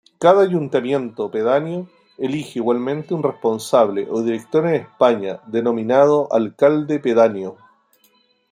Cada ayuntamiento pedáneo elige igualmente un responsable o director en España denominado alcalde pedáneo.